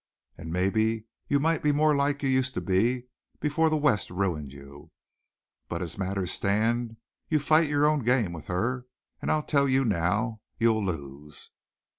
And maybe you might be more like you used to be before the West ruined you. But as matters stand you fight your own game with her; and I'll tell you now, you'll lose."